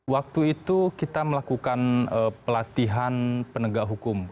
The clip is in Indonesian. waktu itu kita melakukan pelatihan penegak hukum